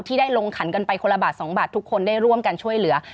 ที่ได้ลงขันกันไปคนละบาท๒บาททุกคนได้ร่วมกันช่วยเหลือ